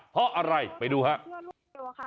เพราะอะไรไปดูครับ